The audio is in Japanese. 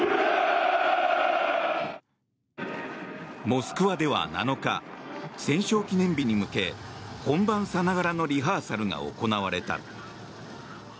モスクワでは７日戦勝記念日に向け本番さながらのリハーサルが行われた。